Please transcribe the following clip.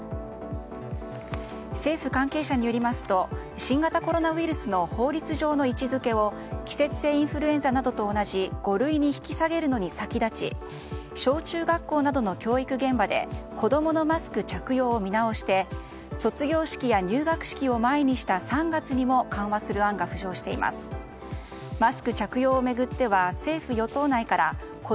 政府関係者によりますと新型コロナウイルスの法律上の位置づけを季節性インフルエンザなどと同じ五類に引き下げるのに先立ち小中学校などの教育現場で子供のマスク着用を見直して卒業式や入学式を前にした３月にも緩和する案が浮上しています。